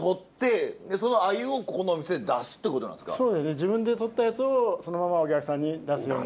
自分でとったやつをそのままお客さんに出すように。